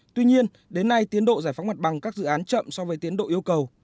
tuy nhiên đến nay tiến độ giải phóng mặt bằng các dự án chậm so với tiến độ yêu cầu